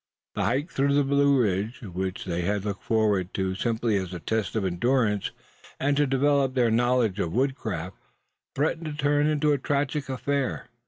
The hike through the Blue Ridge, which they had looked forward to simply as a test of endurance, and to develop their knowledge of woodcraft, threatened to turn into a tragic affair.